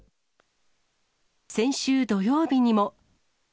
先週土曜日にも。